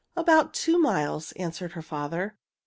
"About two miles," answered her father.